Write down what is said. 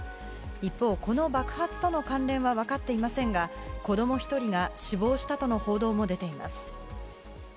一方、この爆発との関連は分かっていませんが子供１人が死亡したとの報道も出ています。